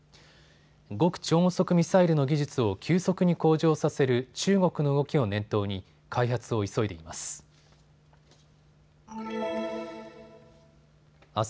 極超音速ミサイルの技術を急速に向上させる中国の動きを念頭に開発を急いでいます。